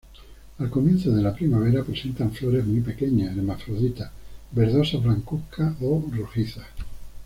Al comienzo de la primavera presenta flores muy pequeñas, hermafroditas, verdosas, blancuzcas o rojizas.